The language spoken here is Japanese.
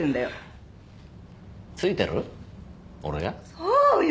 そうよ。